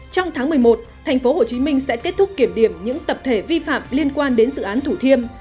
trong tháng một mươi một tp hcm sẽ kết thúc kiểm điểm những tập thể vi phạm liên quan đến dự án thủ thiêm